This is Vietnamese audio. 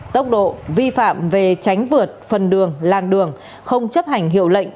tốc độ vi phạm về tránh vượt phần đường làng đường không chấp hành hiệu lệnh